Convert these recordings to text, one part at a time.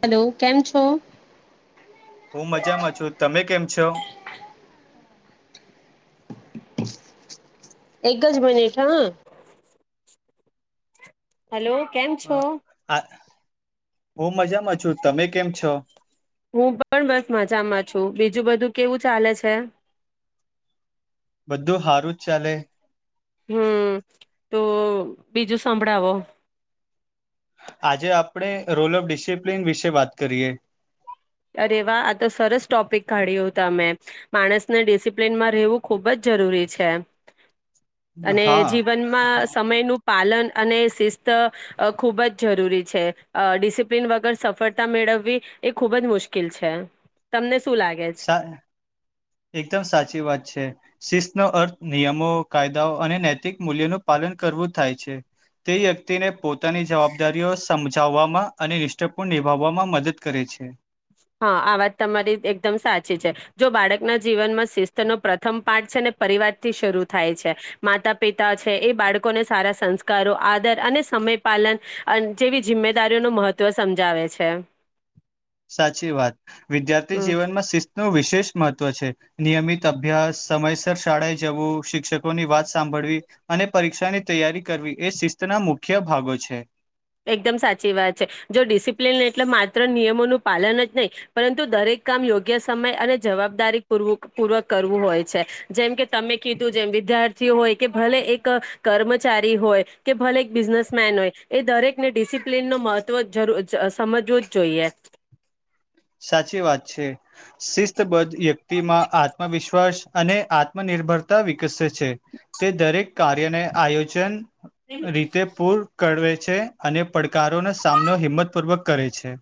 Hello કેમ છો. હું મજામાં છું. તમે કેમ છો? એકજ મિનિટ હા હલો. કેમ છો? અ આ હું મજામાં છું. તમે કેમ છો? હું પણ બસ મજામાં છું. બીજું બધું કેવું ચાલે છે? બધું હારું જ ચાલે. હમ્મ. તો બીજું સંભળાવો. આજે આપણે રોલ ઓફ ડિસિપ્લિન વિશે વાત કરીએ. અરે વા, આ તો સરસ ટોપિક કાઢ્યું તમે. માણસને ડિસિપ્લિનમાં રહેવું ખૂબ જ જરૂરી છે. અને હા જીવનમાં સમય નું પાલન અને શિસ્ત ખુબ જ જરૂરી છે. ડિસિપ્લિન વગર સફળતા મેળવવી એ ખુબ જ મુશ્કેલ કીલ છે. તમને શું લાગે છ સા એકદમ સાચી વાત છે. શિસ્તનો અર્થ નિયમો, કાયદાઓ અને નૈતિક મૂલ્યોનું પાલન કરવું થાય છે. તે વ્યક્તિને પોતાની જવાબદારીઓ સમજ ચાવવામાં, અને નિષ્ઠાપૂર્ણ નિભાવવામાં મદદ કરે છે. હા આ વાત તમારી એકદમ સાચી છે. જો બાળકના જીવનમાં શિસ્તનો પ્રથમ પાઠ છે ને પરિવારથી શરૂ થાય છે. માતા પિતા છે, એ બાળકોને સારા સંસ્કારો આદર અને સમય પાલન અ જેવી જિમ્મેદારીઓનું મહત્વ સમજાવે છે. સાચી વાત વિદ્યાર્થી હમ જીવનમાં શિસ્ત નો વિષય શેષ મહત્વ છે. નિયમિત અભ્યાસ, સમયસર શાળાએ જવું, શિક્ષકોની વાત સાંભળવી, અને પરીક્ષાની તૈયારી કરવી, એ શિસ્તના મુખ્ય ભાગો છે. એકદમ સાચી વાત છે. જો ડિસિપ્લિન એટલે માત્ર નિયમોનું પાલન જ નહીં, પરંતુ દરેક કામ યોગ્ય સમય અને જવાબદારી પૂરવું પૂર્વક કરવું હોય છે. જેમ કે તમે કીધું જેમ વિદ્યાર્થીઓ હોય કે, ભલે એક કર્મચારી હોય કે, ભલે એક બિઝનેસમેન હોય એ દરેક ને ડિસિપ્લિન નુ મહત્વ જરૂ સમજવું જ જોઈએ સાચી વાત છે. શિસ્તબદ્ધ વ્યક્તિમાં આત્મવિશ્વાસ અને આત્મનિર્ભરતા વિકસે છે. તે દરેક કાર્યને આયોજન રીતે પૂર કરવે છે અને પડકારોનો સામનો હિંમત પૂર્વક કરે છે.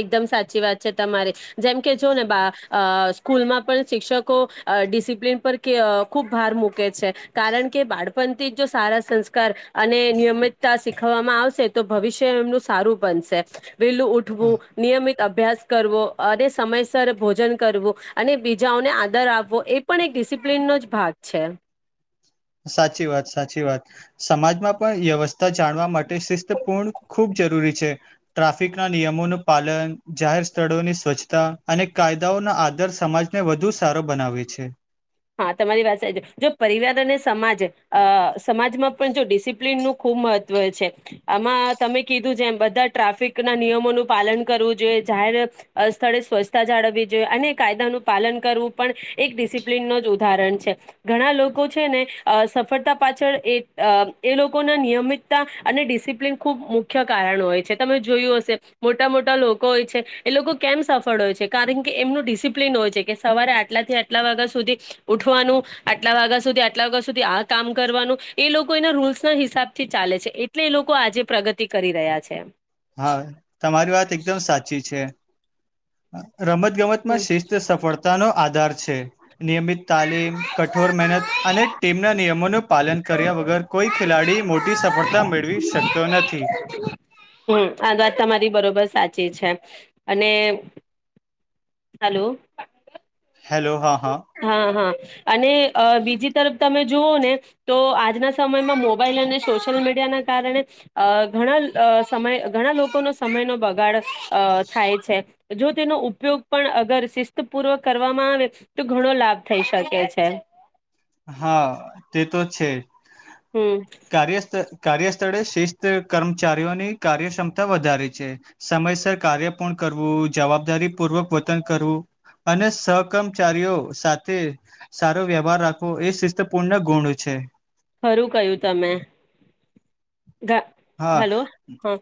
એકદમ સાચી વાત છે. તમારી જેમ કે જો ને બા અ સ્કૂલમાં પણ શિક્ષકો અ ડિસિપ્લિન પર કે ખુબ ભાર મૂકે છે. કારણ કે બાળપણથી જ જો સારા સંસ્કાર અને નિયમિતતા શીખવામાં આવશે તો ભવિષ્ય એમનું સારું બનશે. વેલું હુ નિયમિત અભ્યાસ કરવો અને સમયસર ભોજન કરવું અને બીજાઓને આદર આપવો એ પણ એક ડિસિપ્લિનનો જ ભાગ છે સાચી વાત સાચી વાત, સમાજમાં પણ વ્યવસ્થા જાણવા માટે શિસ્તપૂર્ણ ખૂબ જરૂરી છે. ટ્રાફિકના નિયમોનું પાલન, જાહેર સ્થળોની સ્વચ્છતા, અને કાયદાઓના આધર સમાજને વધુ સારો બનાવે છે. હા તમારી વાત સાચી છે. જો પરિવાર અને સમાજ અ સમાજમાં પણ જો ડિસિપ્લિન ન ખુબ મહત્વ છે આમાં તમે કીધું તેમ બધા ટ્રાફિક ના નિયમોનું પાલન કરવું જોઈએ. જાહેર સ્થળે સ્વચ્છતા જાળવવી જોઈએ. અને કાયદાનું પાલન કરવું પણ એક ડિસિપ્લ પ્લિન નુંજ ઉદાહરણ છે. ઘણા લોકો છે ને સફળતા પાછળ એ અ એ લોકોના નિયમિતતા અને ડિસિપ્લિન ખુબ મુખ્ય કારણ હોય છે. તમે જોયું હશે મોટા મોટા લોકો હોય છે, એ લોકો કેમ સફળ હોય છે. કારણ કે એમનું ડિસિપ્લિન હોય છે. કે સવારે આટલાથી આટલા વાગ્યા સુધી ઉઠવાનું. આટલા વાગ્યા સુધી આટલા વાગ્યા સુધી આ કામ કરવાનું. એ લોકો એના રૂલ્સ ના હિસાબથી ચાલે છે. એટલે એ લોકો આજે પ્રગતિ કરી રહ્યા છે. હા તમારી વાત એકદમ સાચી છે. રમતગમતમાં હમ શિસ્ત સફળતાનો આધાર છે. નિયમિત તાલીમ, કઠોર મહેનત, અને ટીમના નિયમોનું પાલન કર્યા વગર, કોઈ ખેલાડી મોટી સફળતા મેળવી શકતો નથી. હમ્મ આ વાત તમારી બરોબર સાચી છે. અને હલો. હલો હા. હા હા અને બીજી તરફ તમે જુઓ ને તો આજના સમયમાં મોબાઈલ અને સોશિયલ મીડિયા ના કારણે અ ઘણા સમય ઘણા લોકોનો સમયનો બગાડ અ થાય છે જો તેનો ઉપયોગ પણ અગર શિસ્તપૂર્વક કરવામાં આવે તો ઘણો લાભ થઈ શકે છે. હા તે તો છે. હમ કાર્યસ્થ. કાર્યસ્થળે શિસ્ત કર્મચારીઓની કાર્યક્ષમતા વધારે છે સમયસર કાર્ય પૂર્ણ કરવું જવાબદારી પૂર્વક વતન કરવું અને સહક્મચારીઓ સાથે સારો વ્યવહાર રાખ એ શિસ્તપૂર્ણ ગુણ છે. ખરું કયું તમે. ગ હા હલો હા.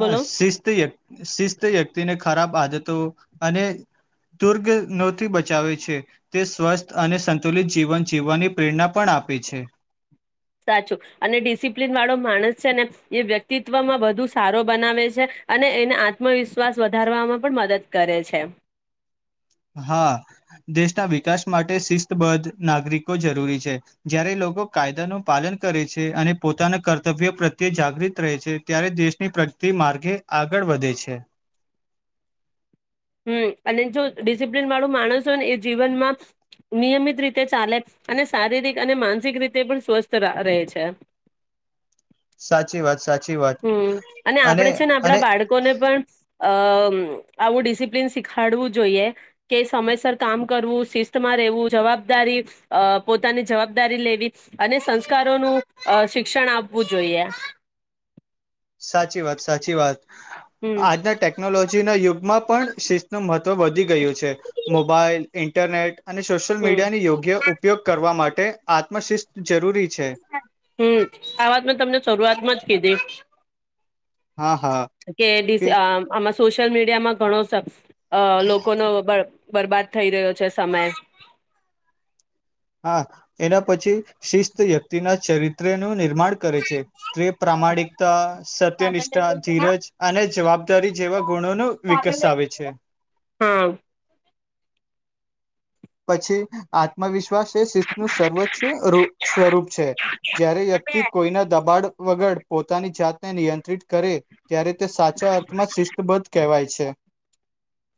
હા બોલો શિસ્તીય શિસ્ત વ્યક્તિને ખરાબ આદતો અને દુર્ગનોથી બચાવે છે તે સ્વસ્થ અને સંતુલિત જીવન જીવવાની પ્રેરણા પણ આપે છે. સાચું અને ડિસિપ્લિન વાળો માણસ છે ને એ વ્યક્તિત્વમાં વધુ સારો બનાવે છે અને એને આત્મવિશ્વાસ વધારવામાં પણ મદદ કરે છે. હા દેશના વિકાસ માટે શિસ્તબદ્ધ નાગરિકો જરૂરી છે જ્યારે લોકો કાયદાનું પાલન કરે છે અને પોતાના કર્તવ્ય પ્રત્યે જાગૃત રહે છે ત્યારે દેશની પ્રગતિ માર્ગે આગળ વધે છે. હમ અને જો ડિસિપ્લિન વાળું માણસ હોય ને એ જીવનમાં નિયમિત રીતે ચાલે અને શારીરિક અને માનસિક રીતે પણ સ્વસ્થ ર રહે છે. સાચી વાત સાચી વાત હમ અને આપડે છે ને આપણા બાળકોને પણ અ આવું ડિસિપ્લિન શીખાડવું જોઈએ કે સમયસર કામ કરવું શિસ્તમાં રહેવું જવાબદારી અ પોતાની જવાબદારી લેવી અને સંસ્કારોનું અ શિક્ષણ આપવું જોઈએ. સાચી વાત સાચી વાત. હમ આજના ટેકનોલોજીના યુગમાં પણ શિસ્નું મહત્વ વધી ગયું છે મોબાઈલ ઇ ઇન્ટરનેટ. અને સોશિયલ હમ મીડિયાને યોગ્ય ઉપયોગ કરવા માટે તે આત્મશિસ્ત જરૂરી છે. હમ આ વાત મેં તમને શરૂઆતમાં જ કીધી. [inaudible] [inaudible] હા હા કે ડીશ અ આમાં સોશિયલ મીડિયામાં ઘણો શખસ અ લોકોનો બ બરબાદ થઈ રહ્યો છે સમય. હા એના પછી શિસ્ત વ્યક્તિ ના ચરિત્ર નો એક નિર્માણ કરે છે તે પ્રામાણિકતા સત્યનિષ્ઠા ધીરજ અને જવાબદારી જેવા ગુણો ન વિકસાવે છે. હમ્મ. પછી આત્મવિશ્વાસ વિશ્વા એ શિનૂ સર્વોચ્ચ છે અરુપ સ્વરૂપ છે જય્યારે વ્યક્તિ કોઈના દબાણ વગર પોતાની જાતને નિયંત્રિત કરે ત્યારે તે સાચા અર્થમાં શિસ્તબદ્ધ કહેવાય છે.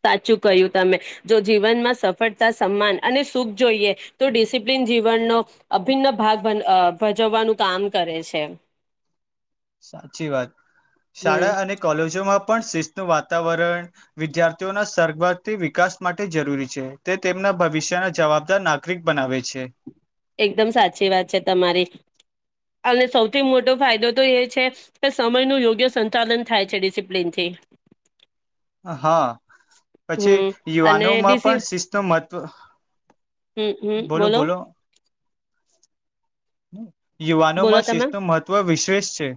સાચું કહ્યું તમે જો જીવનમાં સફળતા સન્માન અને સુખ જોઈએ તો ડિસિપ્લિન જીવનનો અભિન્ન ભાગ અ ભજવવાનું કામ કરે છે. સાચી વાત હમ શાળા અને કોલેજોમાં પણ શિસ્તનું વાતાવરણ વિદ્યાર્થીઓના સરગમ વિકાસ માટે જરૂરી છે. તેમના ભવિષ્યના જવાબદાર નાગ રિક બનાવે છે. એકદમ સાચી વાત છે તમારી અને સૌથી મોટો ફાયદો તો એ છે કે સમયનું યોગ્ય સંચાલન થાય છે ડિસિપ્લિનથી. હા પછી હમ અને યુવાનો માં પણ શિસ્ત મહત્વ હમ્મ, હમ્મ, બોલો. [inaudible] [inaudible] બોલો યુવાનોમાં શિષ તમે નું મહત્વ વિશેષ છે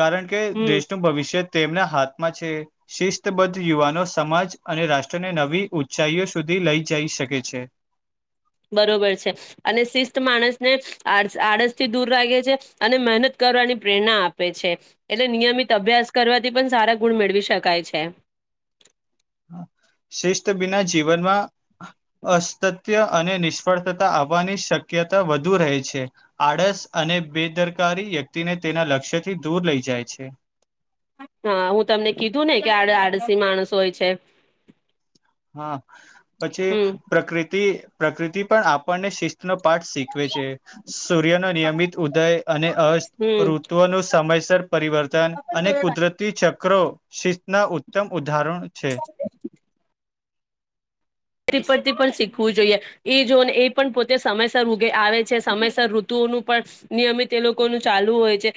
કારણ કે હમ દેશનું ભવિષ્ય તેમના હાથમાં છે શિસ્તબદ્ધ યુવાનો સમાજ અને રાષ્ટ્રને નવી ઊંચાઈઓ સુધી લઈ જઈ શકે છે. બરોબર છે અને શિસ્ત માણસને આ આળસથી દૂર રાગે છે અને મહેનત કરવાની પ્રેરણા આપે છે. એટલે નિયમિત અભ્યાસ કરવાથી પણ સારા ગુણ મેળવી શકાય છે. શિસ્ત બિના જીવનમાં અસ્તત્ય અને નિષ્ફળતાતા આવવાની શક્યતા વધુ રહે છે. આળસ અને બેદરકારી વ્યક્તિને તેના લક્ષ્યથી દૂર લઈ જાય છે. હા હું તમને કીધું ને કે આડ આડસી માણસ હોય છે. હા પછી હમ પ્રકૃતિ પ્રકૃતિ પણ આપણને શિસ્ત નો પાઠ શીખવે છે. સૂર્ય નો નિયમિત ઉદય અને અસ્ત હમ ઋતુઓનું સમયસર પરિવર્તન અને કુદરતી શિસ્ના ઉત્તમ ઉ ધારણ છે. [unintelligible] પરથી પણ શીખવું જોઈએ એ જો એ પણ પોતે સમયસર ઊગે આવે છે સમયસર ઋતુઓનું પણ નિયમિત એ લોકોનું ચાલુ હોય છે.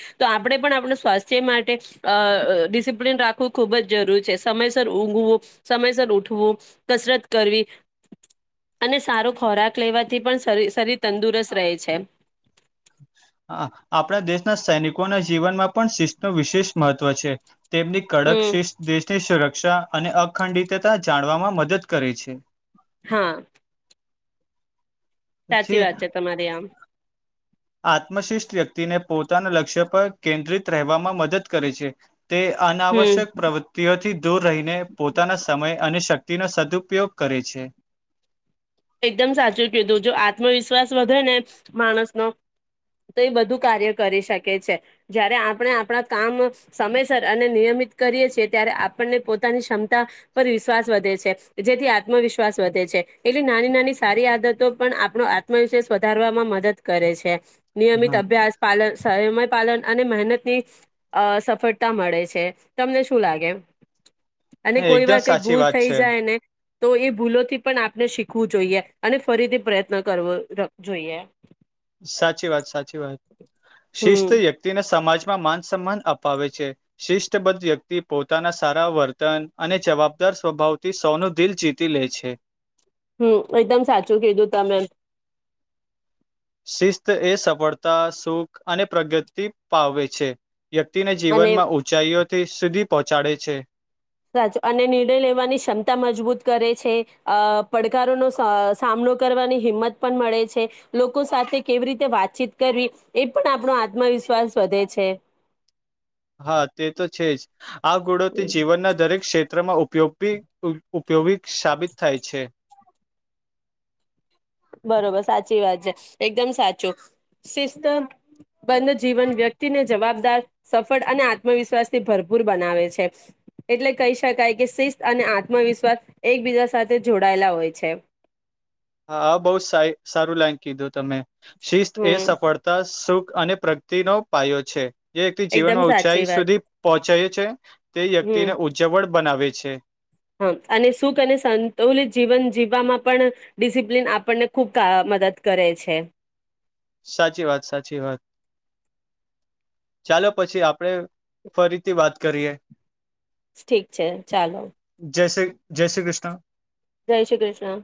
કરવી અને સારો ખોરાક લેવાથી પણ શરીર શરીર તંદુરસ્ત રહે છે. હ આપણા દેશના સૈનિકોના જીવનમાં પણ શિષ નું વિશેષ મહત્વ છે. તેમની કડક હમ શિષ દેશની સુરક્ષા અને અખંડિતતા જાણવામાં મદદ કરે છે. હા. પછી સાચી વાત છે તમારી આમ. આત્મશિષ્ટ વ્યક્તિને પોતાના લક્ષ્ય પર કેન્દ્રિત રહેવામાં મદદ કરે છે. તે હમ અનાવશ્યક પ્રવૃતિઓથી દૂર રહીને પોતાના સમય અને શક્તિનો સદુઉપયોગ કરે છે. એકદમ સાચું કીધું જો આત્મવિશ્વાસ વધે ને માણસનો તો એ બધું કાર્ય કરી શકે છે. જ્યારે આપણે આપણા કામ સમયસર અને નિયમિત કરીએ છીએ ત્યારે આપણને પોતાની ક્ષમતા પર વિશ્વાસ વધે છે. જેથી આત્મવિશ્વાસ એટલી નાની નાની સારી આદતો પણ આપણો આત્મવિશ્વાસ વધારવામાં મદદ કરે છે. નિયમિત હા અભ્યાસ પાલન સમય પાલન અને મહેનતની અ સફળતા મળે છે. તમને શું લાગે? અને કોઈ એકદમ વાર કઈ સાચી ભૂલ વાત થઈ છે જાય ને તો એ ભૂલોથી પણ આપણે શીખ વુ જોઈએ અને ફરીથી પ્રયત્ન કરવો જોઈએ. સાચી વાત સાચી વાત શિસ્ત હમ વ્યક્તિને સમાજ માં માન સન્માન અપાવે છે શિષ્ટબદ્ધ વ્યક્તિ પોતાના સારા વર્તન અને જવાબદાર સ્વભાવથી સૌનું દિલ જીતી લે છે. હમ એકદમ સાચું કીધું તમે. શિસ્ત એ સફળતા સુખ અને પ્રગતિ પાવે છે. વ્યક્તિને અને જીવનમાં ઉઊંચાઈઓ સુધી પહોંચાડે છે. સાચો અને નિર્ણય લેવાની ક્ષમતા મજબૂત કરે છે અ પડકારોનો સામનો કરવાની હિંમત પણ મળે છે લોકો સાથે કેવી રીતે વાતચીત કરવી એ પણ આપણો આત્મવિશ્વાસ વધે છે. હા તે તો છે. આ ગોડો તે જીવનના દરેક ક્ષેત્ર માંગ ઉપયોગ ઉપયોગી સાબિત થાય છે. બરોબર સાચી વાત છે. એકદમ સાચું શિસ્ત બંધ જીવન વ્યક્તિને જવાબદાર સફળ અને આત્મવિશ્વાસ થી ભરપૂર બનાવે છે. એટલે કહી શકાય કે શિસ્ત અને આત્મવિશ્વાસ એકબીજા સાથે જોડાયેલા હોય છે હા બહુ સા સારું લાઈન કીધું તમે શિસ્ત એ હમ સફળતા સુખ અને પ્રગતિનો પાયો છે. જે વ્યક્તિ એકદમ જીવનમાં ઉંચાઈ સાચી વાત સુધી પહોંચે છે તે હમ વ્યક્તિને ઉજ્જવળ બનાવે છે. અ છે. હા અને સુખ અને સંતુલિત જીવન જીવવામાં પણ ડિસિપ્લિન આપણને ખૂબ મદદ કરે છે સાચી વાત સાચી વાત ચાલો પછી આપડે ફરીથી વાત કરીએ. ઠીક છે ચાલો જય શ્રી જય શ્રી કૃષ્ણ. જય શ્રી કૃષ્ણ